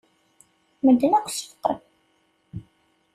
Medden akk seffqen.